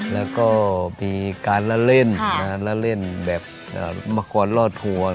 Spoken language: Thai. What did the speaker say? แล้วก็มีการเล่นเล่นแบบมะกรรอดห่วง